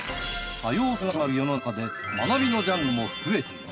多様性が広がる世の中で学びのジャンルも増えている。